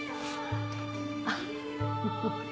あっフフフ。